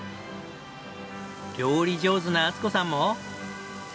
料理上手な敦子さんも。